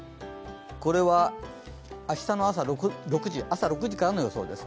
これは明日の朝６時からの予想です